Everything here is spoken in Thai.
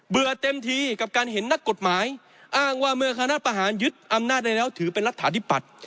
เต็มทีกับการเห็นนักกฎหมายอ้างว่าเมื่อคณะประหารยึดอำนาจได้แล้วถือเป็นรัฐาธิปัตย์